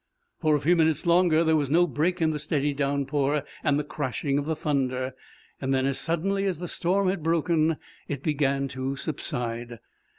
For a few minutes longer there was no break in the steady downpour and the crashing of the thunder. Then, as suddenly as the storm had broken, it began to subside.